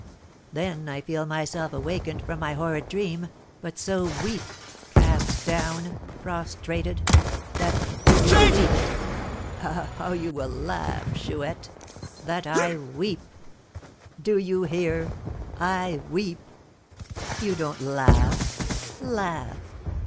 Then I feel myself awakened from my horrid dream, but so weak cast down prostrated that would you believe it? ah, how you will laugh, Chouette! that I weep! Do you hear? I weep! You don't laugh? Laugh!